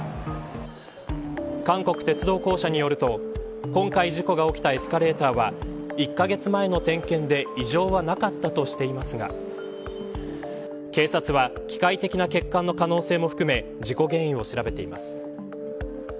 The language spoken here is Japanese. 韓国鉄道公社によると今回事故が起きたエスカレーターは１カ月前の点検で異常はなかったとしていますが警察は、機械的な欠陥の可能性も含め事故原因を調べています。